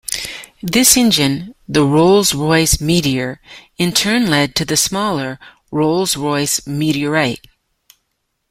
This engine, the Rolls-Royce Meteor, in turn led to the smaller Rolls-Royce Meteorite.